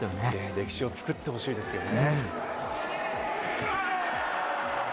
歴史を作ってほしいですね。